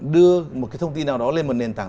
đưa một cái thông tin nào đó lên một nền tảng